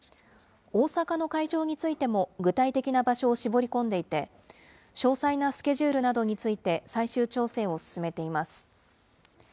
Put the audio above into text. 大阪の会場についても、具体的な場所を絞り込んでいて、詳細なスケジュールなどについて、最終調整を進めています。